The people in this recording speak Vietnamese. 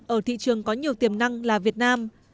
ở thị trường có nhiều tiềm năng là việt nam